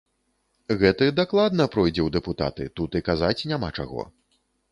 Гэты дакладна пройдзе ў дэпутаты, тут і казаць няма чаго.